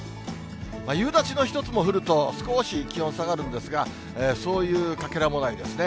夕立のひとつも降ると、少し気温下がるんですが、そういうかけらもないですね。